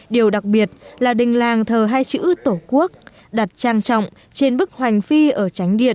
điều đặc biệt là đình làng thờ hai chữ tổ quốc đặt trang trọng trên bức hoành phi ở tránh điện